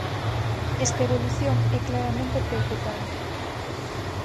Esta evolución é claramente preocupante.